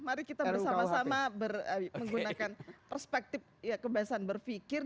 mari kita bersama sama menggunakan perspektif kebiasaan berpikir